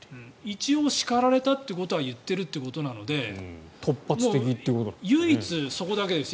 一応叱られたということは言っているということなので唯一、そこだけです。